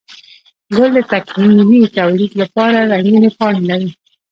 گل د تکميلي توليد لپاره رنګينې پاڼې لري